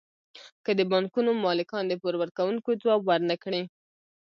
که د بانکونو مالکان د پور ورکوونکو ځواب ورنکړي